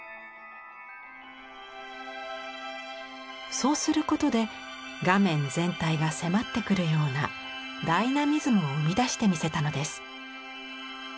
そうすることで画面全体が迫ってくるようなダイナミズムを生み出してみせたのです。